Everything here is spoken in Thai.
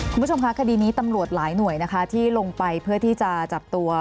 คุณผู้ชมคะคดีนี้ตำรวจหลายหน่วยนะคะ